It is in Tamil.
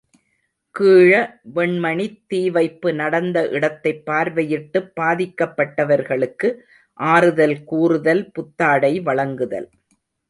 ● கீழ வெண்மணித் தீவைப்பு நடந்த இடத்தைப் பார்வையிட்டுப் பாதிக்கப்பட்டவர்களுக்கு ஆறுதல் கூறுதல் புத்தாடை வழங்குதல்.